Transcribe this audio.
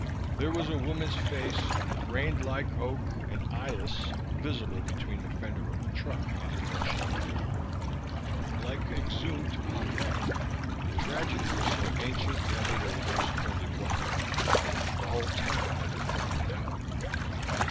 There was a woman's face, grained like oak and eyeless, visible between the fender of a truck and a crushed in wall. Like exhumed Pompeii, the tragedy was so ancient that it aroused only wonder. The whole town had been blotted out.